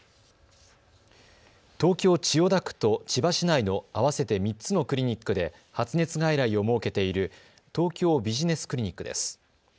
東京千代田区と千葉市内の合わせて３つのクリニックで発熱外来を設けている東京ビジネスクリニックです。